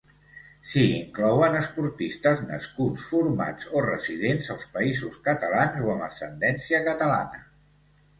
S'hi inclouen esportistes nascuts, formats o residents als Països Catalans o amb ascendència catalana.